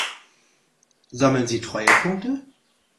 Sammeln Sie Treuepunkte?